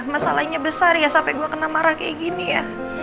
masalahnya besar ya sampai gue kena marah kayak gini ya